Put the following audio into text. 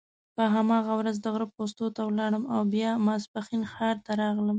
په هماغه ورځ د غره پوستو ته ولاړم او بیا ماپښین ښار ته راغلم.